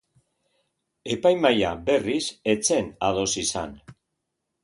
Epaimahaia, berriz, ez zen ados izan.